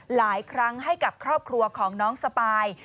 หลายครั้งให้กับครอบครัวของน้องสปาย